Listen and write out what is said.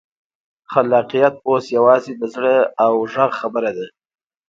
خلاقیت اوس یوازې د زړه او غږ خبره ده.